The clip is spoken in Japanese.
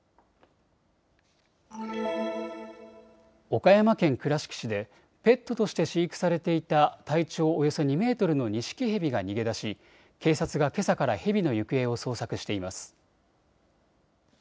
岡山県倉敷市でペットとして飼育されていた体長およそ２メートルのニシキヘビが逃げ出し警察がけさからヘビの行方を捜索しています。